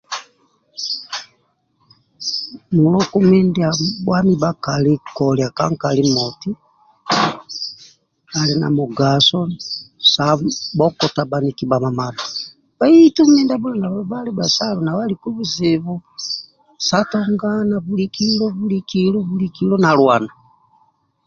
Muluku mindia abhuami bhakali kolia ka nkali moti ali na mugaso sa bhokota bhaniki bhamamadha bhaitu mindia abhuli na bhebhali bhesalo nau aliku bizibu sa tongana bulikilo bulikilo na lwana